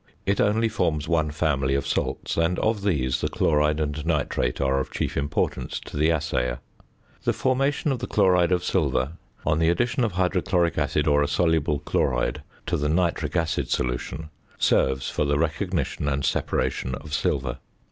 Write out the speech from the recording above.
It only forms one family of salts, and of these the chloride and nitrate are of chief importance to the assayer. The formation of the chloride of silver on the addition of hydrochloric acid or a soluble chloride to the nitric acid solution, serves for the recognition and separation of silver.